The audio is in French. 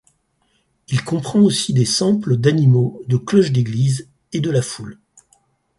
Il comprend aussi des samples d'animaux, de cloches d'église, et de la foule.